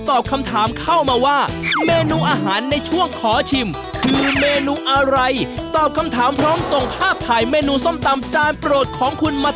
ติดตามรายชื่อผู้ได้รับของรางวัลสองท่าน